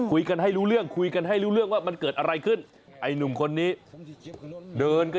อื้อแต่เสื้อไม่ใส่นะ